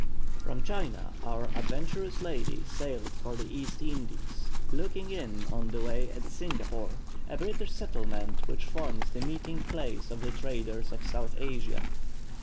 From China our adventurous lady sailed for the East Indies, "looking in" on the way at Singapore, a British settlement, which forms the meeting place of the traders of South Asia.